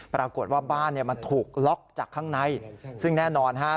ปรากฏว่าบ้านเนี่ยมันถูกล็อกจากข้างในซึ่งแน่นอนฮะ